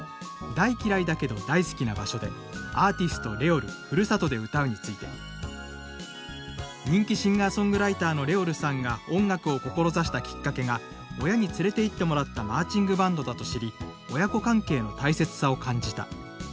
「大嫌いだけど、大好きな場所でアーティストＲｅｏｌ故郷で歌う」について「人気シンガーソングライターのＲｅｏｌさんが音楽を志したきっかけが親に連れていってもらったマーチングバンドだと知り親子関係の大切さを感じた」